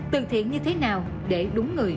từ thiện như thế nào để đúng người